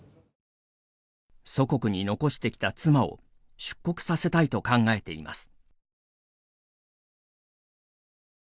祖国に残してきた妻を出国させたいと考えています。